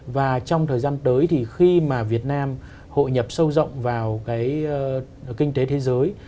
và trong thời gian tới thì khi mà việt nam hội nhập sâu rộng vào kinh tế thế giới